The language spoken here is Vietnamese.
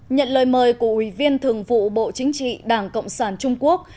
nhận lời mời của ủy viên thường vụ bộ chính trị đảng cộng sản trung quốc